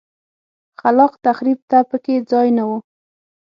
خلاق تخریب ته په کې ځای نه و.